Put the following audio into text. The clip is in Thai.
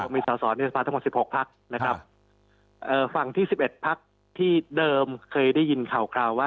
มีสอสอในสภาทั้งหมด๑๖พักนะครับฝั่งที่๑๑พักที่เดิมเคยได้ยินข่าวว่า